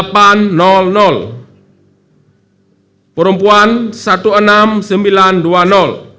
perempuan enam belas sembilan dua